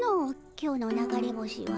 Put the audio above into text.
今日の流れ星は。